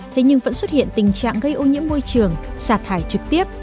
thế nhưng vẫn xuất hiện tình trạng gây ô nhiễm môi trường xả thải trực tiếp